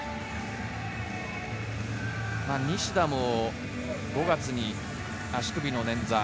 西田も５月に足首の捻挫。